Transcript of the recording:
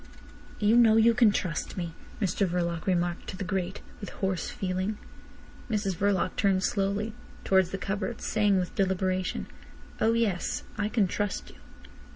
"You know you can trust me," Mr Verloc remarked to the grate, with hoarse feeling. Mrs Verloc turned slowly towards the cupboard, saying with deliberation: "Oh yes. I can trust you."